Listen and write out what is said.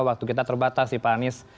waktu kita terbatas nih pak anies